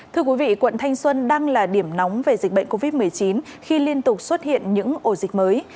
thưa quý vị quận thanh xuân đang là điểm nóng về dịch bệnh covid một mươi chín khi liên tục xuất hiện những ổ dịch mới